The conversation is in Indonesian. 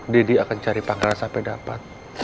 dia akan cari pangeran sampai dapat